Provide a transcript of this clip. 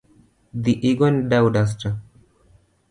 Dhi igone dau dasta